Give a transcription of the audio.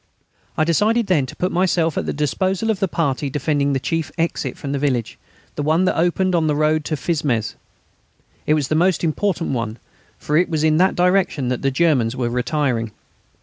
I decided then to put myself at the disposal of the party defending the chief exit from the village, the one that opened into the road to Fismes. It was the most important one, for it was in that direction that the Germans were retiring.